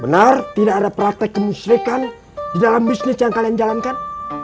benar tidak ada praktek kemusrikan di dalam bisnis yang kalian jalankan